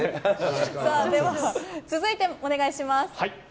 では、続いてお願いします。